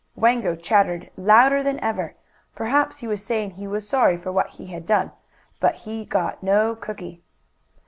Wango chattered louder than ever. Perhaps he was saying he was sorry for what he had done, but he got no cookie.